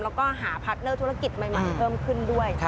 แล้วก็หาพาร์ทเนอร์ธุรกิจใหม่เพิ่มขึ้นด้วย